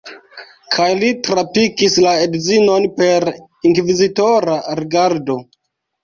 Kaj li trapikis la edzinon per inkvizitora rigardo.